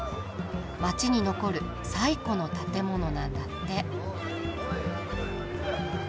街に残る最古の建物なんだって。